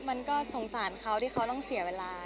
มันก็สงสารเขาที่เขาต้องเสียเวลา